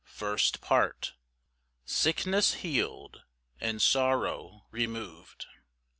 First Part. Sickness healed, and sorrow removed.